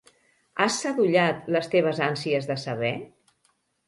Has sadollat les teves ànsies de saber?